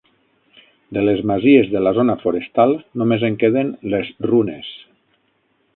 De les masies de la zona forestal només en queden les runes.